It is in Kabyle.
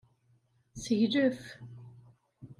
Seglef.